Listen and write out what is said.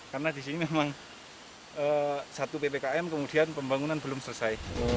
karena di sini memang satu ppkm kemudian pembangunan belum selesai